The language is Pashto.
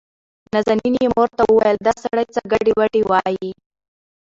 نازنين يې مور ته وويل دا سړى څه ګډې وډې وايي.